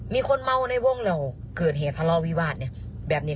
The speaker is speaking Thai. มีคนเมาในวงแล้วเกิดเหตุทะเลาะวิวาสเนี่ยแบบนี้